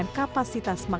he fantastik seharusnya